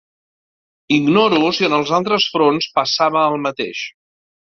Ignoro si en els altres fronts passava el mateix